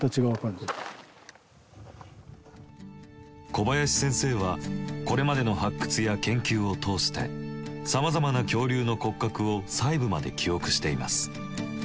小林先生はこれまでの発掘や研究を通してさまざまな恐竜の骨格を細部まで記憶しています。